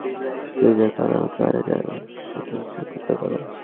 তুই যা, কাল আমাকে ম্যানেজারের সাথে সাক্ষাৎ করা।